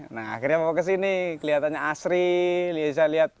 nah akhirnya mau ke sini kelihatannya asri bisa lihat